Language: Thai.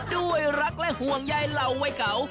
ด้วยรักและห่วงใยเหล่าวัยเก่า